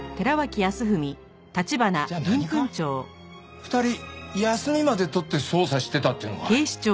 ２人休みまで取って捜査してたっていうのかい？